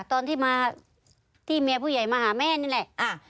ตอนที่มาที่เมียผู้ใหญ่มาหาแม่นี่แหละ